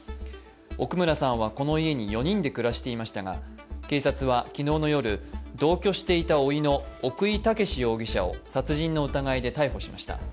奥村さんはこの家に４人で暮らしていましたが警察は昨日の夜、同居していたおいの奥井剛容疑者を殺人の疑いで逮捕しました。